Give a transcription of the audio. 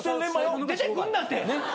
出てくんなって！